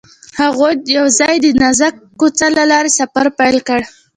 هغوی یوځای د نازک کوڅه له لارې سفر پیل کړ.